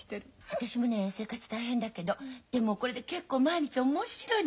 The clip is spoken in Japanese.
私もね生活大変だけどでもこれで結構毎日面白いの。